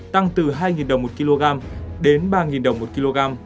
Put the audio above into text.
tăng từ hai đồng một kg đến ba đồng một kg